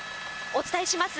お伝えします。